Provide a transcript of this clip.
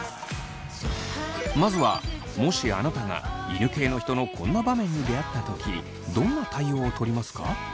まずはもしあなたが犬系の人のこんな場面に出会った時どんな対応をとりますか？